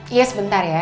iya sebentar ya